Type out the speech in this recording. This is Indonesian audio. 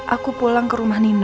aku pulang ke rumah nina